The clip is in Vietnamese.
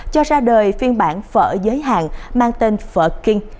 cho ra đời phiên bản phở giới hạn mang tên phở king